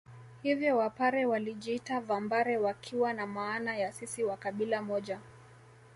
Hivyo Wapare walijiita Vambare wakiwa na maana ya sisi wa kabila moja